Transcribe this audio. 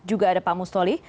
dan juga ada pak mustoli